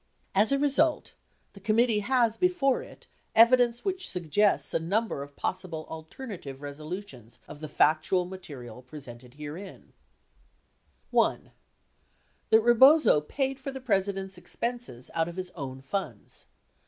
As a result, the committee has before it evidence which suggests a number of possible alternative resolutions of the factual material presented herein : 1. That Rebozo paid for the President's expenses out of his own funds.